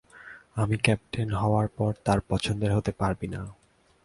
আমি ক্যাপ্টেন হওয়ার পর তার পছন্দের হতে পারবি না।